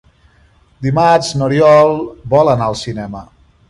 Dimarts n'Oriol vol anar al cinema.